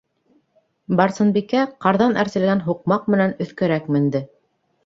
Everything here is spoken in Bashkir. Барсынбикә ҡарҙан әрселгән һуҡмаҡ менән өҫкәрәк менде.